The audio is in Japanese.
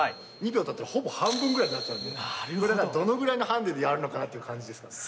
２秒だったらほぼ半分ぐらいになっちゃうんでなるほどそれがどのぐらいのハンデでやるのかなって感じですかね